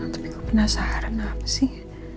tapi gue penasaran apa sih